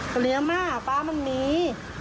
เหลียงม่าป๊ามันมี